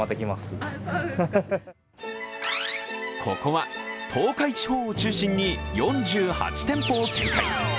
ここは東海地方を中心に４８店舗を展開。